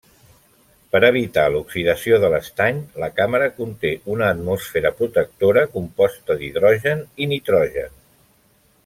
Per evitar l'oxidació de l'estany, la càmera conté una atmosfera protectora composta d'hidrogen i nitrogen.